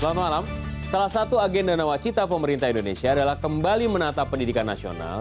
selamat malam salah satu agenda nawacita pemerintah indonesia adalah kembali menata pendidikan nasional